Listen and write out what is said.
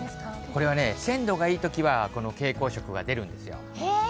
これは鮮度がいいときは、この蛍光色が出るんですよ。